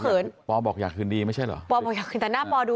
ป๊อพ่อบอกอยากคืนดีไม่ใช่เหรอ